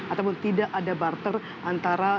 ataupun tidak ada barter antara